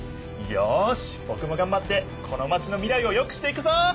よしぼくもがんばってこのマチの未来をよくしていくぞ！